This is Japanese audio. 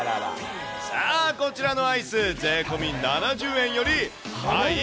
さあこちらのアイス、税込み７０円よりハイ？